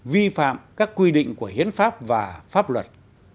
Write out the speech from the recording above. vi phạm các quy định của hiến pháp và pháp luật